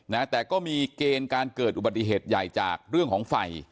นะแต่ก็มีเกณฑ์การเกิดอุบัติเหตุใหญ่จากเรื่องของไฟ